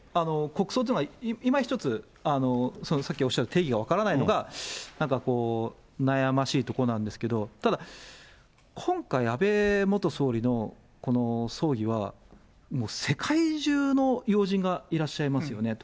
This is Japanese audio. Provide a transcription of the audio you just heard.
国葬というのは今一つ、さっきおっしゃる定義が分からないのがなんかこう、悩ましいとこなんですけど、ただ、今回、安倍元総理のこの葬儀はもう世界中の要人がいらっしゃいますよね。